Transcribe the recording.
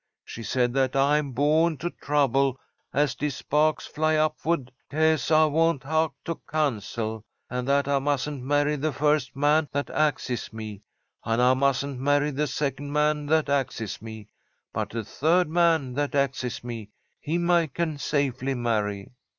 She said that I'm bawn to trouble as de spah'ks fly upwa'd, case I won't hah'k to counsel, and that I mustn't marry the first man that axes me, and I mustn't marry the second man that axes me, but the third man that axes me, him I can safely marry.